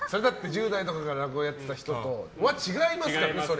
１０代から落語をやっていた人とは違いますよね。